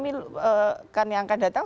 iya kan yang akan datang